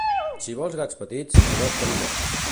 Si vols gats petits, adopta'n dos.